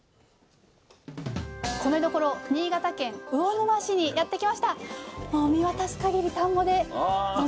米どころ新潟県魚沼市にやって来ました。